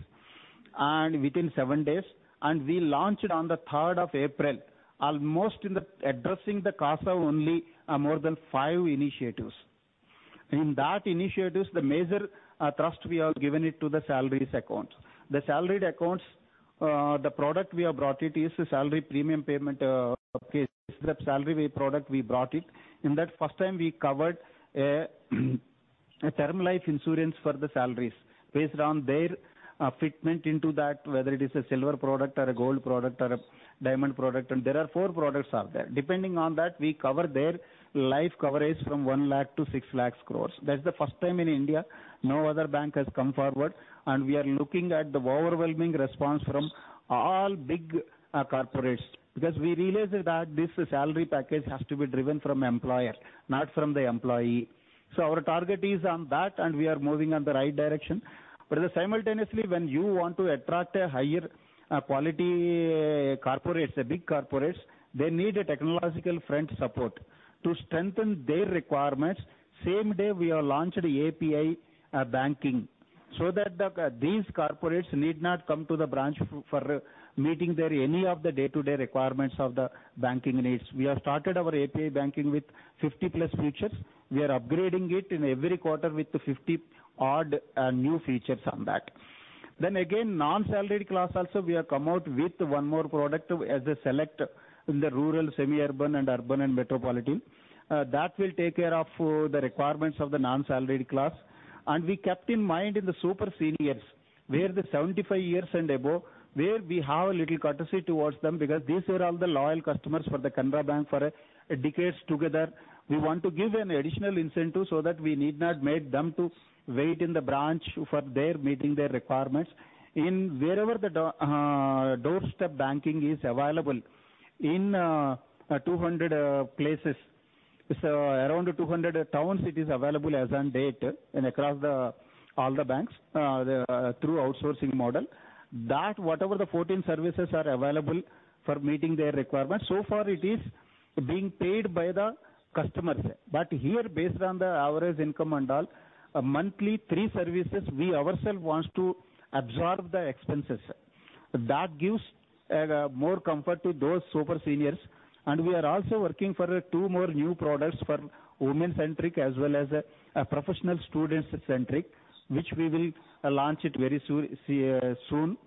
within seven days. We launched on April 3rd, almost in the addressing the CASA only, more than five initiatives. In that initiatives, the major thrust we have given it to the salaries accounts. The salaried accounts, the product we have brought it is a salary premium payment, case, the salary product we brought it. In that first time we covered term life insurance for the salaries based on their fitment into that whether it is a silver product or a gold product or a diamond product, there are four products are there. Depending on that, we cover their life coverage from 1 lakh to 6 lakh crores. That's the first time in India. No other bank has come forward. We are looking at the overwhelming response from all big corporates because we realized that this salary package has to be driven from employer, not from the employee. Our target is on that. We are moving on the right direction. Simultaneously, when you want to attract a higher quality corporates, the big corporates, they need a technological front support. To strengthen their requirements, same day we have launched API Banking so that these corporates need not come to the branch for meeting their any of the day-to-day requirements of the banking needs. We have started our API Banking with 50 plus features. We are upgrading it in every quarter with 50 odd new features on that. Non-salaried class also we have come out with one more product as a select in the rural, semi-urban and urban and metropolitan. That will take care of the requirements of the non-salaried class. We kept in mind in the super seniors, where the 75 years and above, where we have a little courtesy towards them because these were all the loyal customers for the Canara Bank for decades together. We want to give an additional incentive so that we need not make them to wait in the branch for their meeting their requirements. In wherever the doorstep banking is available in 200 places. Around 200 towns it is available as on date and across the all the banks through outsourcing model. Whatever the 14 services are available for meeting their requirements, so far it is being paid by the customers. Here based on the average income and all, monthly three services we ourself wants to absorb the expenses. That gives more comfort to those super seniors. We are also working for two more new products for women-centric as well as professional students-centric, which we will launch it very soon.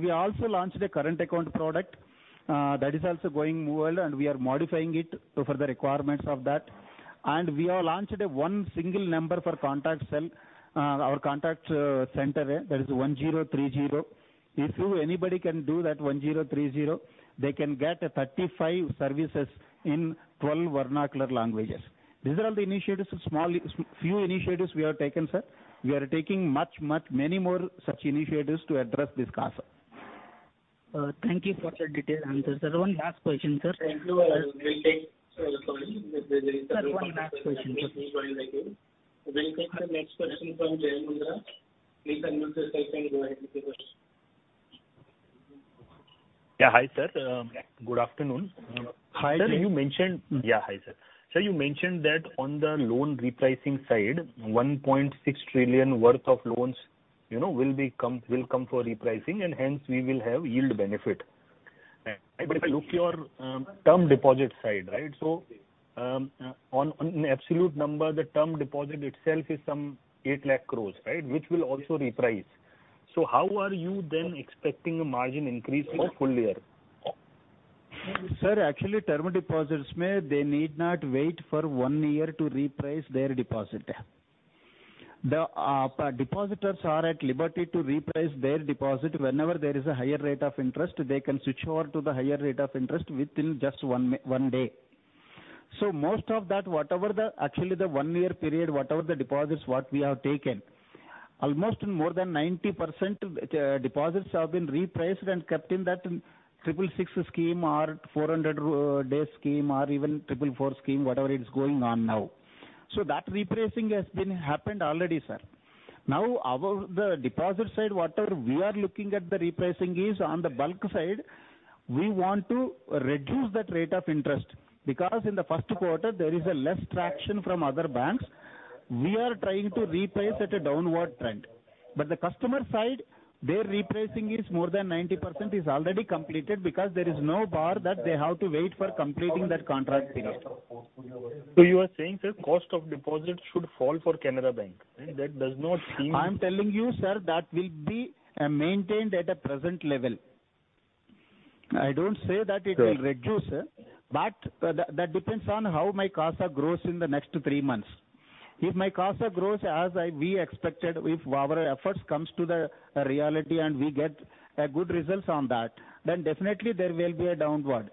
We also launched a current account product. That is also going well, and we are modifying it to further requirements of that. We have launched one single number for contact cell. Our contact center, that is 1030. If you anybody can do that 1030, they can get 35 services in 12 vernacular languages. These are all the initiatives, few initiatives we have taken, sir. We are taking much, many more such initiatives to address this CASA. Thank you for the detailed answers. Sir, one last question, sir. Thank you. Sir, one last question, sir. We'll take the next question from Jay Mundra. Please unmute yourself and go ahead with your question. Yeah. Hi, sir. Good afternoon. Hi. Sir, you mentioned. Hi, sir. Sir, you mentioned that on the loan repricing side, 1.6 trillion worth of loans, you know, will come for repricing and hence we will have yield benefit. If I look your term deposit side, right? On absolute number, the term deposit itself is some 8 lakh crores, right? Which will also reprice. How are you then expecting a margin increase for full year? Sir, actually, term deposits, they need not wait for one year to reprice their deposit. The depositors are at liberty to reprice their deposit. Whenever there is a higher rate of interest, they can switch over to the higher rate of interest within just one day. Most of that, whatever the, actually the one-year period, whatever the deposits, what we have taken, almost more than 90% deposits have been repriced and kept in that 666 scheme or 400 day scheme or even 444 scheme, whatever it is going on now. That repricing has been happened already, sir. Our the deposit side, whatever we are looking at the repricing is on the bulk side. We want to reduce that rate of interest because in the first quarter there is a less traction from other banks. We are trying to reprice at a downward trend. The customer side, their repricing is more than 90% is already completed because there is no bar that they have to wait for completing that contract period. You are saying, sir, cost of deposit should fall for Canara Bank, and that does not seem-? I am telling you, sir, that will be maintained at a present level. I don't say that it will reduce. Right. That depends on how my CASA grows in the next three months. If my CASA grows as we expected, if our efforts comes to the reality and we get good results on that, then definitely there will be a downward.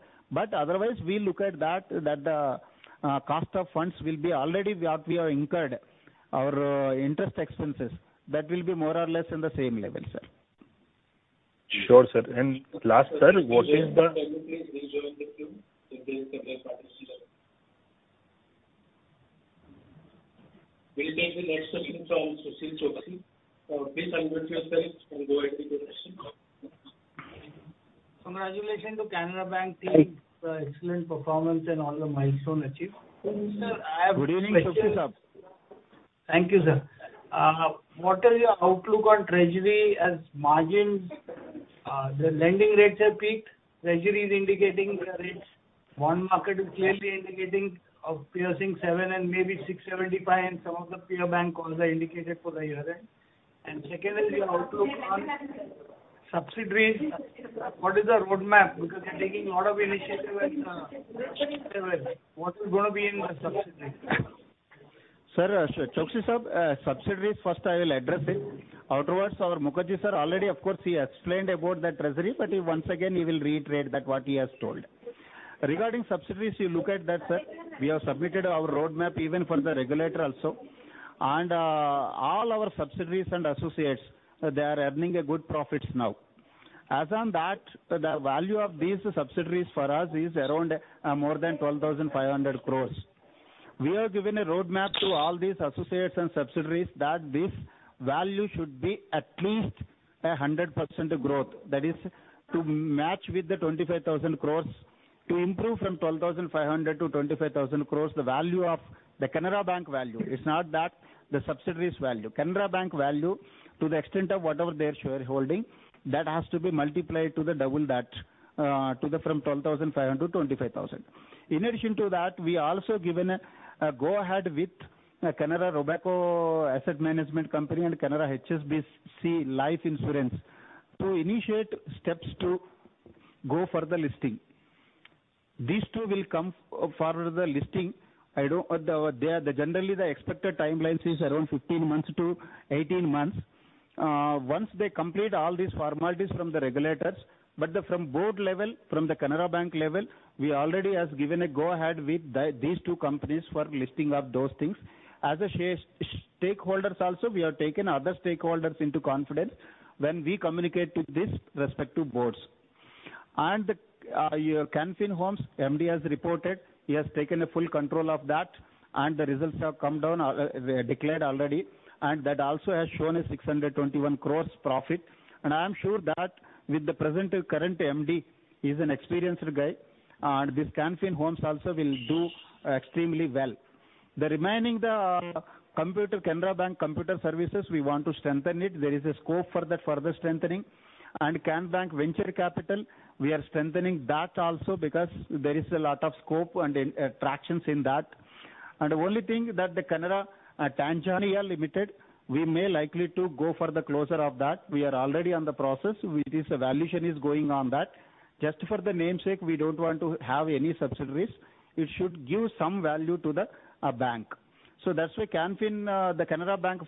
Otherwise we look at that the cost of funds will be already what we have incurred. Our interest expenses, that will be more or less in the same level, sir. Sure, sir. Last, sir, what is? Can you please rejoin the queue. We'll take the next question from Sushil Choksey. Please unmute yourself and go ahead with your question. Congratulations to Canara Bank team for excellent performance and all the milestone achieved. Sir, I have questions. Good evening, Sushil Choksey. Thank you, sir. What is your outlook on treasury as margins, the lending rates have peaked. Treasury is indicating higher rates. Bond market is clearly indicating of piercing 7 and maybe 6.75, and some of the peer bank also indicated for the year end. Secondly, your outlook on subsidiaries. What is the roadmap? Because you are taking lot of initiative and what is gonna be in the subsidiary? Sir, Choksey, subsidiaries first I will address it. Afterwards, our Mukherjee sir already of course he explained about that treasury, but he once again he will reiterate that what he has told. Regarding subsidiaries, you look at that, sir. All our subsidiaries and associates, they are earning a good profits now. As on that, the value of these subsidiaries for us is around more than 12,500 crores. We have given a roadmap to all these associates and subsidiaries that this value should be at least a 100% growth. That is to match with the 25,000 crores to improve from 12,500 to 25,000 crores the value of the Canara Bank value. It's not that the subsidiaries value. Canara Bank value to the extent of whatever their shareholding, that has to be multiplied to the double that, to the from 12,500 to 25,000. In addition to that, we also given a go-ahead with Canara Robeco Asset Management Company and Canara HSBC Life Insurance to initiate steps to go for the listing. These two will come for the listing. They are, generally the expected timelines is around 15 months to 18 months. Once they complete all these formalities from the regulators, but from board level, from the Canara Bank level, we already has given a go-ahead with these two companies for listing of those things. As stakeholders also, we have taken other stakeholders into confidence when we communicate to these respective boards. Your Can Fin Homes, MD has reported he has taken a full control of that, and the results have come down, they declared already, and that also has shown a 621 crores profit. I am sure that with the present current MD, he's an experienced guy, and this Can Fin Homes also will do extremely well. The remaining, the computer, Canara Bank Computer Services, we want to strengthen it. There is a scope for that further strengthening. Canbank Venture Capital, we are strengthening that also because there is a lot of scope and tractions in that. The only thing that the Canara Tanzania Limited, we may likely to go for the closure of that. We are already on the process, which is evaluation is going on that. Just for the namesake, we don't want to have any subsidiaries. It should give some value to the bank. That's why Can Fin, the Canbank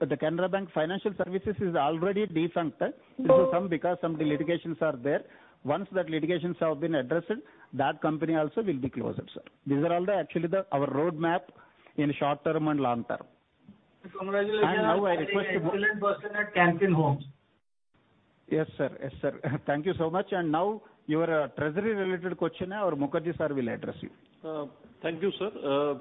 Financial Services is already defunct. Some litigations are there. Once that litigations have been addressed, that company also will be closed, sir. These are all the actually, our roadmap in short term and long term. Congratulations. Now I request. An excellent person at Can Fin Homes. Yes, sir. Yes, sir. Thank you so much. Now your treasury related question, our Mukherjee sir will address you. Thank you, sir.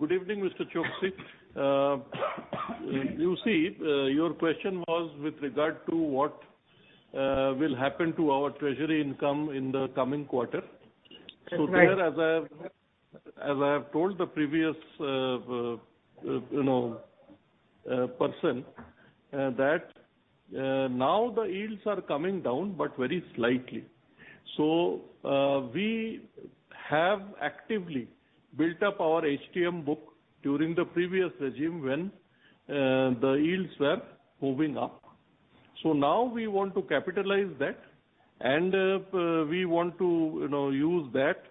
Good evening, Mr. Choksey. You see, your question was with regard to what will happen to our treasury income in the coming quarter. That's right. Sir as I have told the previous, you know, person, that now the yields are coming down, but very slightly. We have actively built up our HTM book during the previous regime when the yields were moving up. Now we want to capitalize that, and we want to, you know, use that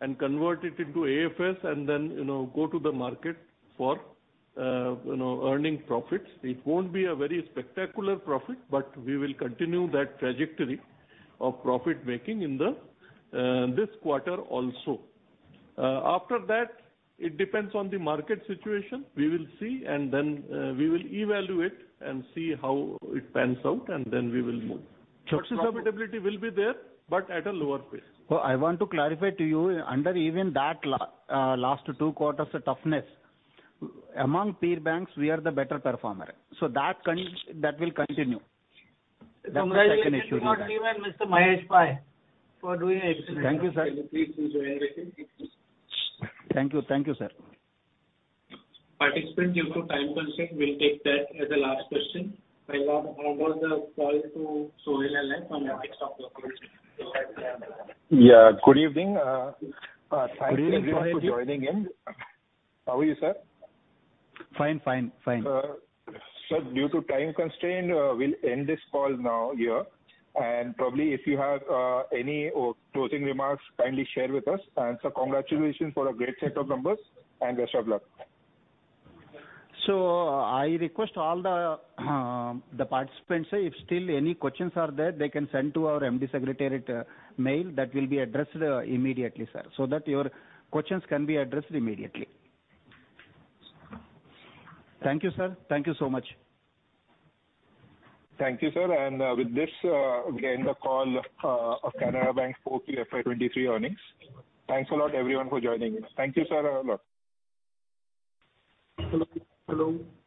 and convert it into AFS and then, you know, go to the market for, you know, earning profits. It won't be a very spectacular profit, but we will continue that trajectory of profit making in the this quarter also. After that, it depends on the market situation. We will see and then we will evaluate and see how it pans out, and then we will move. Choksi sir. Profitability will be there, but at a lower pace. I want to clarify to you, under even that last two quarters toughness, among peer banks, we are the better performer. That will continue. That's the second issue, yeah. Congratulations also to Mr. Mahesh Pai for doing excellent. Thank you, sir. Please do join with him. Thank you. Thank you, sir. Participants, due to time constraint, we'll take that as the last question. I now hand over the call to Sohail Halai from Antique Stock Broking. Yeah. Good evening. Thank you everyone for joining in. Good evening, Sohail. How are you, sir? Fine, fine. Due to time constraint, we'll end this call now here. Probably if you have any closing remarks, kindly share with us. Sir congratulations for a great set of numbers, and best of luck. I request all the participants, if still any questions are there, they can send to our MD Secretariat mail. That will be addressed immediately, sir, so that your questions can be addressed immediately. Thank you, sir. Thank you so much. Thank you, sir. With this, we end the call of Canara Bank for QFY 2023 earnings. Thanks a lot everyone for joining in. Thank you, sir, a lot. Hello? Hello?